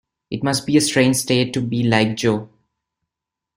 It must be a strange state to be like Jo!